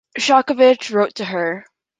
Shostakovich wrote to her.